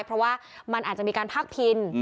เพราะว่ามันอาจจะมีการพาดพิง